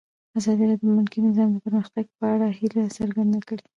ازادي راډیو د بانکي نظام د پرمختګ په اړه هیله څرګنده کړې.